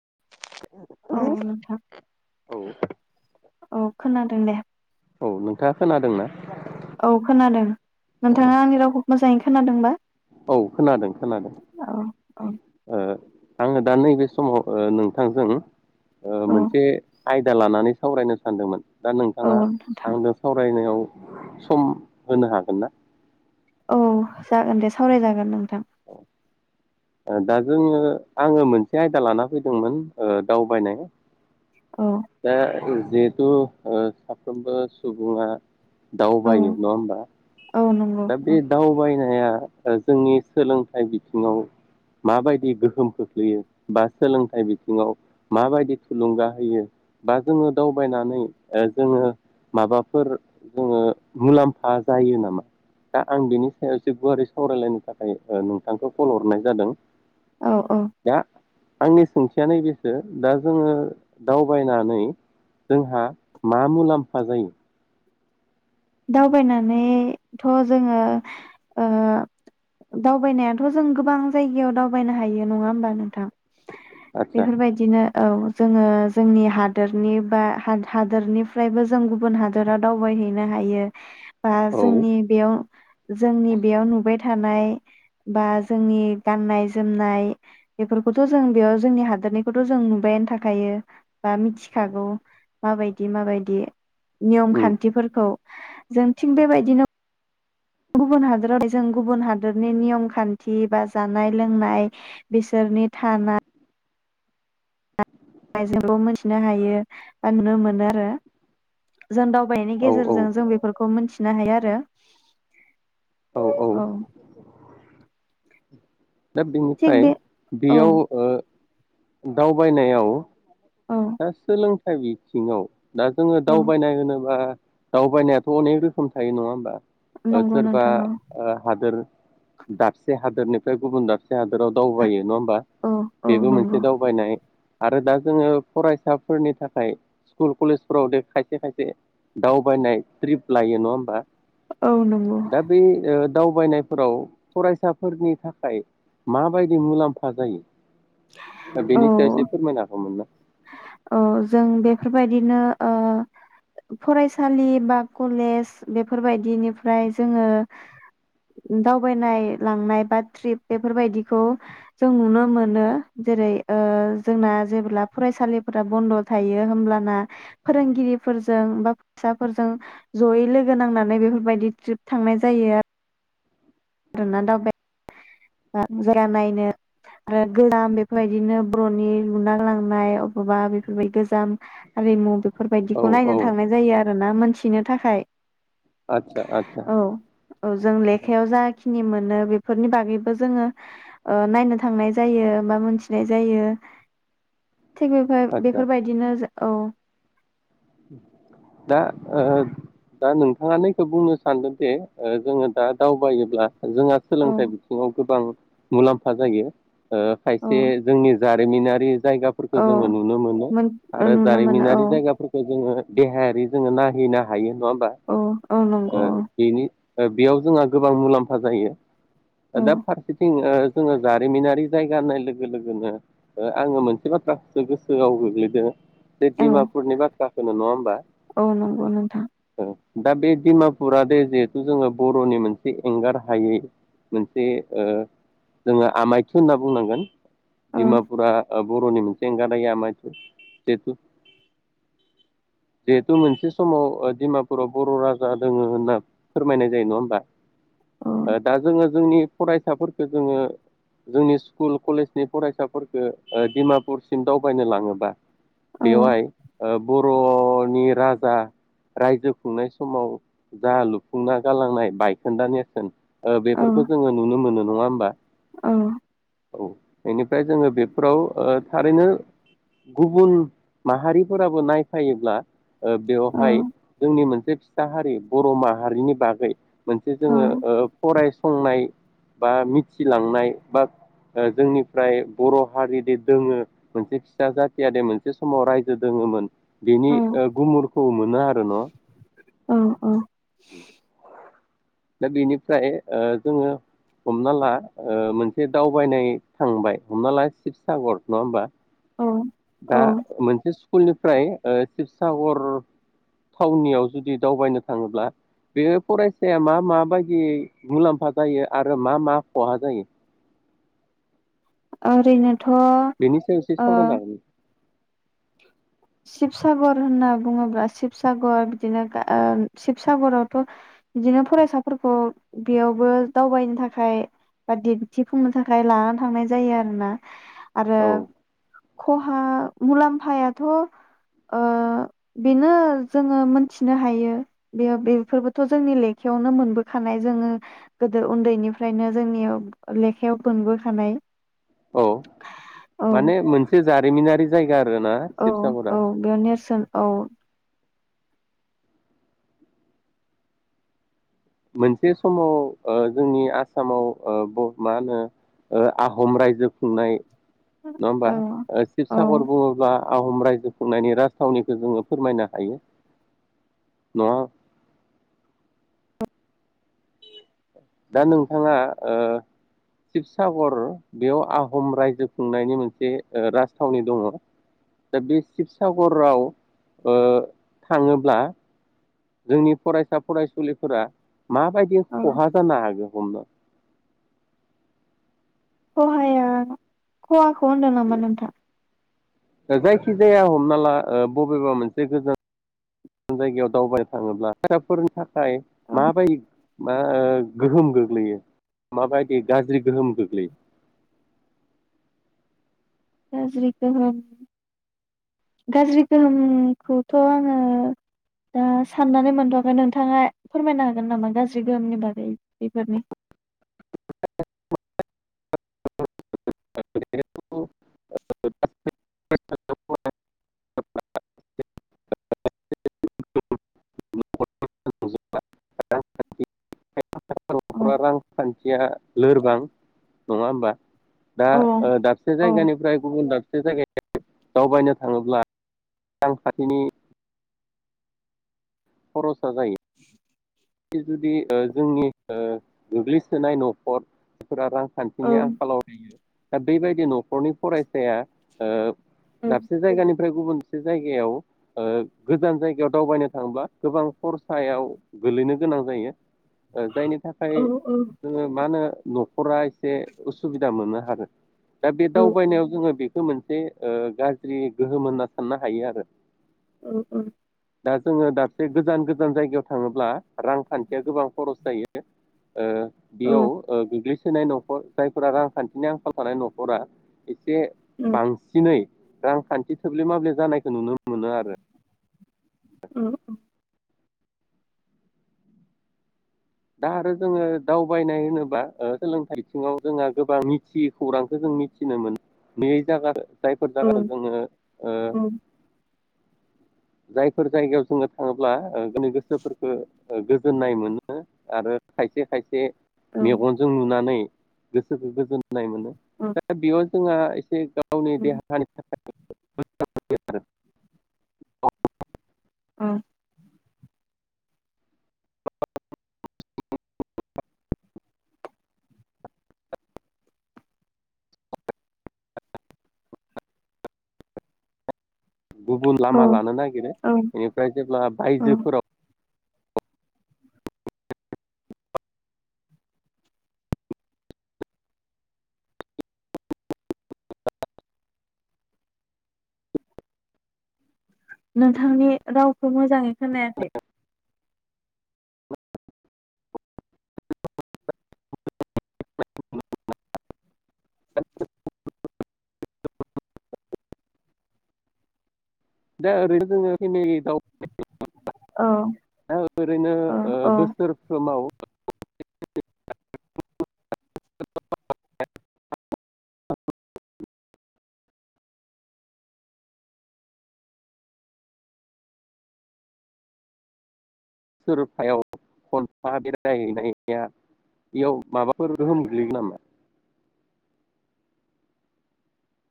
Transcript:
[inaudible] औ नोंथां औ औ खोनादों दे औ नोंथाङा खोनादोंना? औ खोनादों नोंथाङा आंनि रावखौ मोजाङै खोनादोंबा? औ खोनादों खोनादों औ औ ओ आङो दा नैबे समाव नोंथांजों औ मोनसे आय दिया लानानै सावरायनो सानदोंमोन दा औ नोंथाङा नोंथां आंजों सावरायनायाव सम होनो हागोन ना? औ जागोन दे सावरायजागोन नोंथां। दा जोङो आङो मोनसे आयदा लाना फैदोंमोन ओ दावबायनाय औ दा जिहेथु ओ साफ्रोमबो सुबुङा औ दावबायो नङा होमबा औ नंगौ दा बे दावबायनाय [unintelligible] जोंनि सोलोंथाइ बिथिङाव माबायदि गोहोम खोख्लैयो बा सोलोंथाइ बिथिङाव माबायदि थुलुंगा होयो बा जोङो दावबायनानै ओ जोङो माबाफोर जोङो मुलाम्फा जायो नामा दा आं बिनि सायाव एसे गुवारै सावरायलायनि थाखाय ओ नोंथांखौ कल हरनाय जादों औ औ दा आंनि सों सोंथिया नैबेसो दा जोङो दावबायनानै जोंहा मा मुलाम्फा जायो? दावबायनानैथ' जोङो ओ दावबायनायाथ' जों गोबां जायगायाव दावबायनो हायो नङा होमबा नोंथां आदसा बेफोरबायदिनो औ जोङो जोंनि हादोरनि बा हादोरनिफ्रायबो जों गुबुन हादोरा दावबायहैनो हायो। [unintelligible] बा औ जोंनि बेयाव जोंनि बेयाव नुबाय थानाय बा जोंनि गाननाय जोमनाय बेफोरखौथ' जों बेयाव जोंनि हादोरनिखौथ' जों नुबायानो थाखायो। बा मिथिखागौ। माबायदि -माबायदि। नियम उम खान्थिफोरखौ जों थिग बेबायदिनो गुबुन हादोराव जों गुबुन हादरनि नियम खान्थि बा जानाय लोंनाय बिसोरनि थानाय [unintelligible] मोनथिनो हायो बा नुनो मोनो आरो। जों दावबायनायनि औ औ गेजेरजों जों बेफोरखौ मोनथि नो हायो आरो। औ दा थिग बेनिफ्राय बे औ बेयाव ओ दावबायनायाव औ दा सोलोंथाइ बिथिङाव दा जोङो औ दावबायनाय होनोबा दावबायनायाथ' अनेक रोखोम थायो नङा होमबा। ओ नंगौ सोरबा नोंथां औ ओ हादोर दाबसे हादोरनिफ्राय गुबुन दाब से हादोराव दावबायो नङा होमबा औ औ बेबो नंगौ मोनसे दावबायनाय। आरो दा जोङो फरायसाफोरनि थाखाय स्कुल कलेजफोराव दे खायसे खायसे दावबायनाय ट्रिप लायो नङा होमबा। औ नंगौ दा बे ओ दावबायनाय फोराव फरायसाफोरनि थाखाय माबायदि मुलाम्फा जायो दा बेनि सायाव एसे फोरमायना हौमोन ना ओ जों बेफोरबायदिनो ओ फरायसालि बा कलेज बेफोरबायदिनिफ्राय जोङो दावबायनाय लांनाय बा ट्रिप बेफोरबायदिखौ जों नुनो मोनो। जेरै ओ जोंना जेब्ला फरायसालिफोरा बन्द थायो हब्लाना फोरोंगिरिफोरजों बा फैसाफोरजों जयै लोगो नांनानै बेफोरबायदि ट्रिप थांनाय जायो आरो। [unintelligible] दावबाय। मिजराम नायनो आरो गोजाम बेफोरबायदिनो बर 'नि लुना लांनाय अबेबा बेफोरबायदि गोजाम हारिमु औ बेफोरबायदिखौ औ नायनो थांनाय जायो आरोना मोनथिनो थाखाय। आदसा आदसा औ औ जों लेखायाव जायाखि नि मोनो बेफोरनि बागै जोङो ओ नायनो थांनाय जायो बा मोनथिनाय जायो। थिग बेफोर आदसा बेफोर बायदिनो जा औ दा ओ दा नोंथाङानो बेखौ बुंनो सानदोंदि जोङो दा दावबायोब्ला जोंहा औ सोलोंथाइ बिथिङाव गोबां मुलाम्फा जायो। ओ औ खायसे जोंनि जा रिमिनारि जायगाफोरखौ औ जोङो नुनो मोनो मोन आरो नुनो मोनो औ जारिमिनारि जायगाफोरखौ जोङो देहायारि जोङो नाहैनो हायो। नङा होमबा औ औ नंगौ। ओ बेनि ओ बेयाव जोंहा गोबां मुलाम्फा जायो। औ दा फारसेथिं ओ जोङो जारिमिनारि जायगा होननाय लोगो लोगोनो ओ आङो मोनसे बाथ्राखौसो गोसोआव गोग्लैदों। बे औ डिमापुरनि बाथ थाखोनो नङा होमबा? औ नंगौ नोंथां। औ दा बे डिमापुरा दे जिहेथु जोङो बर'नि मोनसे एंगार हायै मोनसे ओ जोङो आमायथु होनना बुंनांगोन। औ डिमापुरा ओ बर'नि मोनसे एंगारनो हायै आमायथु जेहुथु। जिहेथु मोनसे समाव ओ डिमापुराव बर' राजा दोङो होनना फोरमायनाय जायो नङा होमबा? औ ओ दा जोङो जोंनि फरायसाफोरखौ जोङो जोंनि स्कुल कलेजनि फरायसाफोरखौ ओ डिमापुरसिम दावबायनो लाङोबा औ बेवहाय बर'नि राजा रायजो खुंनाय समाव जा लुफुंना गालांनाय बायखोन्दा नेर्सोन। ओ औ बेफोरखौ जोङो नुनो मोनो नङा होमबा? औ औ। बेनिफ्राय जोङो बेफोराव ओ थारैनो गुबुन माहारि फोराबो नायफायोब्ला ओ बेवहाय जोंनि मोनसे खिथाहारि बर' माहारिनि बागै मोनसे जोङो ओ फरायसंनाय बा मिथिलांनाय बा ओ जोंनिफ्राय बर' हारिदि दोङो मोनसे फिसा जाथिआदि मोनसे समाव रायजो जो दोङोमोन बेनि औ ओ गुमुरखौ मोनो आरो न'? औ औ। [inaudible] दा बेनिफ्राय ओ जोङो हमना ला ओ मोनसे दावबायनाय थांबाय हमना ला शिबसागर नङा होमबा? औ औ दा मोनसे स्कुलनिफ्राय ओ शिबसागर थावनियाव जुदि दावबायनो थाङोब्ला बेयो फरायसाया मा माबायदि मुलाम्फा जायो आरो मा मा खहा जायो? आरैनो बेनि सायाव एसे सावरायनो हागोन शिबसागर होनना बुङोब्ला शिबसागर बिदिनो दा ओ शिबसागरावथ' बिदिनो फरायसाफोरखौ बेयावबो दावबायनो थाखाय बा दिन्थिफुंनो थाखाय लानानै थांनाय जायो आरोना। आरो औ खहा मुलाम्फायाथ' ओ बेनो जोङो मोनथिनो हायो बेयो बेफोरबोथ' जोंनि लेखायावनो मोनबोखानाय जोङो गोदो उन्दैनिफ्रायनो जोंनियाव लेखायाव मोनबोखानाय औ औ माने मोनसे जारिमिनारि जायगा आरो। औ औ बेयाव नेरसोन औ। मोनसे समाव ओ जोंनि आसामाव ओ मा होनो ओ आहम रायजो खुंनाय नङा औ होमबा औ शिबसागर बुङोब्ला आहम रायजो खुंनायनि राजथावनिखौ जोङो फोरमायनो हायो नङा दा नोंथाङा ओ शिबसागर बेयाव आहम रायजो खुंनायनि मोनसे ओ राजथावनि दङ दा बे शिबसागराव ओ थाङोब्ला जोंनि फरायसा फरायसुलिफोरा माबायदि औ खहा जानो हागोन हमनो? खहाया खहाखौ होनदों नामा नोंथां? जायखिजाया हमना ला ओ बबेबा मोनसे गोजान जायगायाव दावबायनो थाङोब्ला थाखाफोरनि थाखाय थाखाय औ माबायदि मा ओ गोहोम गोग्लैयो माबायदि गाज्रि गोहोम गोग्लैयो? गाज्रि गोहोम गाज्रि गोहोमखौथ' आङो दा साननानै मोनथ'आखै नोंथाङा फोरमायनो हागोन नामा गाज्रि गोहोमनि बागै बेफोरनि? [unintelligible] [unintelligible] औ नख'रा रांखान्थिया लोरबां नङा होमबा? दा औ ओ दाबसे औ जायगानिफ्राय गुबुन दाबसे दाबसे जायगायाव दावबायनो थाङोब्ला रांखान्थिनि खरसा जायो जुदि ओ जोंनि ओ गोग्लैसोनाय नख'रफोरा रां औ खानथिनि आंखालाव बियो दा बेबायदि न'खरनि फरायसाया ओ औ दाबसे जायगानि जेरै गुबुन मोनसे जायगायाव ओ गोजान जायगायाव दावबायनो थाङोब्ला गोबां खरसायाव गोलैनो गोनां जायो ओ जायनि थाखाय औ औ जोङो मा होनो न'खरा एसे उसुबिदा मोनो आरो। दा बे औ दावबायनायाव जोङो बे बे मोनसे ओ गाज्रि गोहोम होनना साननो हायो आरो। औ औ। दा जोङो दा गोजान गोजान जायगायाव थाङोब्ला रांखान्थिया गोबां खरस जायो। ओ बेयाव गोग्लैसो सोनाय न'खर जायफोरा रांखान्थिनि आंखाल थानाय न'खरा एसे औ बांसिनै रांखान्थि थोब्ले माब्ले जानायखौ नुनो मोनो आरो। दा आरो जोङो दावबायनाय होनोबा ओ सोलोंथाइ बिथिङाव जोंहा गोबां मिथियै खौरांखौ जों मिथिनो मोनो। बे जागाखो जायफोर जागाखो औ जोङो ओ जायफोर जायगायाव जोङो थाङोब्ला ओ बिदिनो गोसोफोरखौ गोजोननाय मोनो आरो खायसे खायसे मेगनजों नुनानै गोसोखौ गोजोन नाय मोनो दा बेयाव जोंहा एसे गावनि देहानि थाखाय [unintelligible] ओ। [unintelligible] गुबुन लामा लानो नागिरो औ बेनिफ्राय जेब्ला औ बायजोफोराव नोंथांनि रावखौ मोजाङै खोनायाखै। [unintelligible] दा ओरैनो जोङो फेमेलि [unintelligible] [unintelligible] दा औ ओरैनो औ औ बोसोरफ्रोमाव [unintelligible] सोर फायाव खनफा बेरायहैनाया बेयाव माबाफोर गोहोम गोलैगोन नामा।